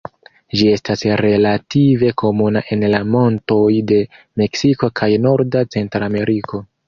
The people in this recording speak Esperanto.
Ĝi estas relative komuna en la montoj de Meksiko kaj norda Centrameriko.